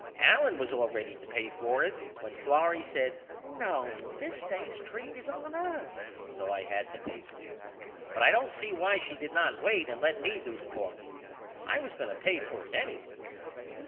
Allen was all ready to pay for it when Florrie said No this day's treat is on us so I had to pay for it but I don't see why she did not wait and let me do the talking. I was going to pay for it any way.